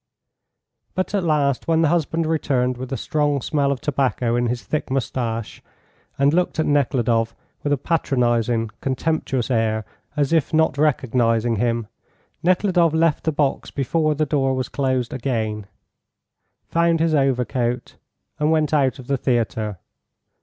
But at last, when the husband returned with a strong smell of tobacco in his thick moustache, and looked at Nekhludoff with a patronising, contemptuous air, as if not recognising him, Nekhludoff left the box before the door was closed again, found his overcoat, and went out of the theatre.